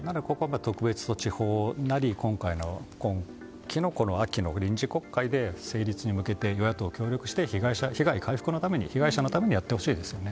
特別措置法なり、秋の臨時国会で成立に向けて与野党が協力して被害回復のために被害者のためにやってほしいですよね。